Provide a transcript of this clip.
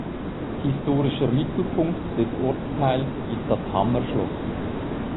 Historischer Mittelpunkt des Ortsteils ist das Hammerschloss.